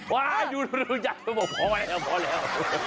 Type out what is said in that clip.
ว้าวดูจัดการพอแล้ว